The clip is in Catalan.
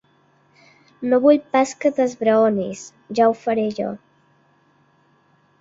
No vull pas que t'esbraonis: ja ho faré jo.